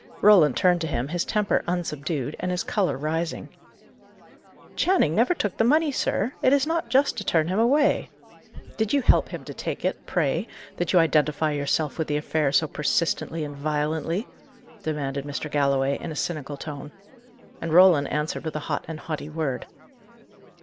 Roland turned to him, his temper unsubdued, and his colour rising. "Channing never took the money, sir! It is not just to turn him away." "Did you help him to take it, pray, that you identify yourself with the affair so persistently and violently?" demanded Mr. Galloway, in a cynical tone. And Roland answered with a hot and haughty word.